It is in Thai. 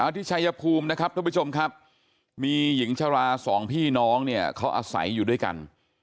ที่ชายภูมินะครับท่านผู้ชมครับมีหญิงชราสองพี่น้องเนี่ยเขาอาศัยอยู่ด้วยกัน